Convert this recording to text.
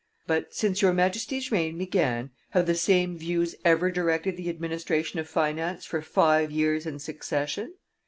But, since your Majesty's reign began, have the same views ever directed the administration of finance for five years in succession?